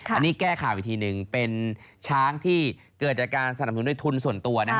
อันนี้แก้ข่าวอีกทีหนึ่งเป็นช้างที่เกิดจากการสนับสนุนด้วยทุนส่วนตัว